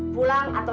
pulang atau jalan